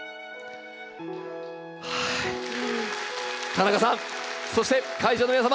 田中さんそして会場の皆様